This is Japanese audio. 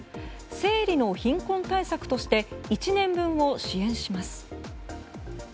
生理の貧困対策として１年分を支援します。